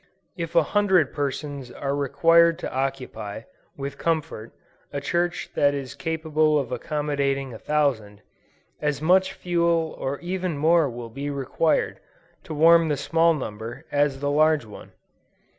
If a hundred persons are required to occupy, with comfort, a church that is capable of accommodating a thousand, as much fuel or even more will be required, to warm the small number as the large one.